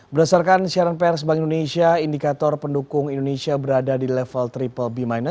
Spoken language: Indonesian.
berdasarkan siaran pr sebang indonesia indikator pendukung indonesia berada di level bbb